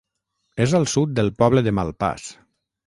És al sud del poble de Malpàs.